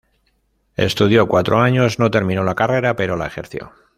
Estudió cuatro años, no terminó la carrera pero la ejerció.